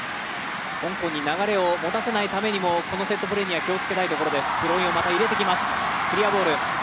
香港に流れを持たせないためにもこのセットプレーには気をつけたいところです。